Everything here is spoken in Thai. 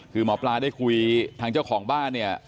คือหมอปลาได้คุยทางเจ้าของบ้านเนี่ย